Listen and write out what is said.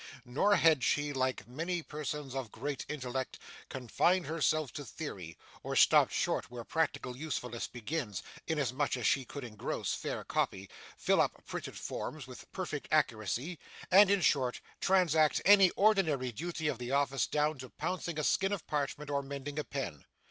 Nor had she, like many persons of great intellect, confined herself to theory, or stopped short where practical usefulness begins; inasmuch as she could ingross, fair copy, fill up printed forms with perfect accuracy, and, in short, transact any ordinary duty of the office down to pouncing a skin of parchment or mending a pen.